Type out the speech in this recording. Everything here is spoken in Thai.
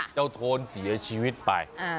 เจ้าโทนเสียชีวิตไป